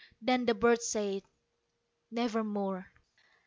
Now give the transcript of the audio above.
Then the bird said, "Nevermore."